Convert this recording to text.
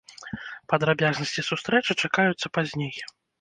Падрабязнасці сустрэчы чакаюцца пазней.